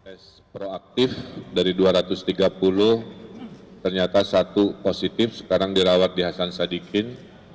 tes proaktif dari dua ratus tiga puluh ternyata satu positif sekarang dirawat di hasan sadikin